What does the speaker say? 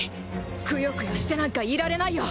くよくよしてなんかいられないよ。